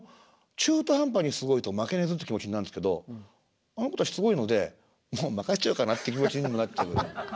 中途半端にすごいと負けねえぞって気持ちになるんですけどあの子たちすごいのでもう任しちゃおうかなって気持ちにもなっちゃう。